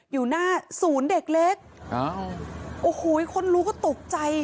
อยู่หน้าศูนย์เด็กเล็กอ้าวโอ้โหคนรู้ก็ตกใจ